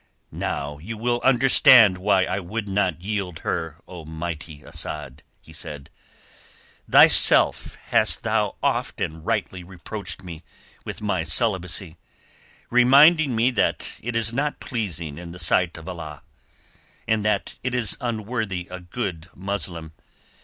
"Now you will understand why I would not yield her, O mighty Asad," he said. "Thyself hast thou oft and rightly reproached me with my celibacy, reminding me that it is not pleasing in the sight of Allah, that it is unworthy a good Muslim.